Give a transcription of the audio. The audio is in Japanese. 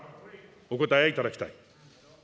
お答えいただきたい。